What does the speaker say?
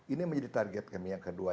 ini menjadi target kami yang kedua